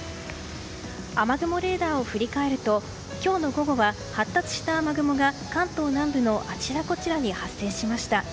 雨雲レーダーを振り返ると今日の午後は発達した雨雲が関東南部のあちらこちらに発生しました。